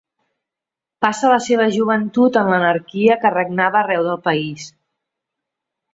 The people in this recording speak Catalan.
Passa la seva joventut en l'anarquia que regnava arreu del país.